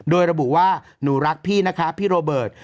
โดยระบุว่าหนูรักพี่นะคะพี่โรเบิร์ต